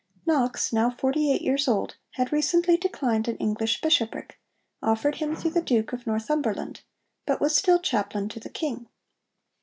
Knox, now forty eight years old, had recently declined an English bishopric, offered him through the Duke of Northumberland, but was still chaplain to the King.